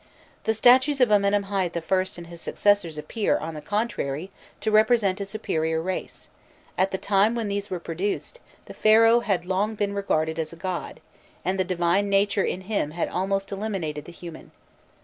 The statues of Amenemhâît I. and his successors appear, on the contrary, to represent a superior race: at the time when these were produced, the Pharaoh had long been regarded as a god, and the divine nature in him had almost eliminated the human.